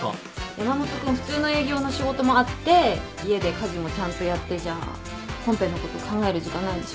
山本君普通の営業の仕事もあって家で家事もちゃんとやってじゃコンペのこと考える時間ないでしょ？